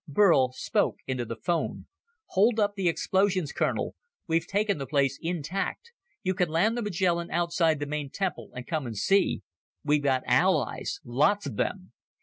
Burl spoke into the phone. "Hold up the explosions, colonel. We've taken the place intact. You can land the Magellan outside the main temple and come and see. We've got allies, lots of them."